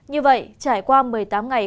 như vậy trải qua một mươi tám ngày